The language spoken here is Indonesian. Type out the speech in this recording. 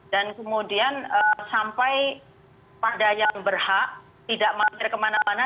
dan kemudian sampai pada yang berhak tidak mengantar kemana mana